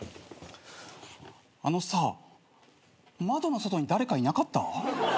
あのさ窓の外に誰かいなかった？